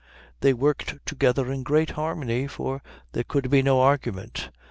They worked together in great harmony, for there could be no argument.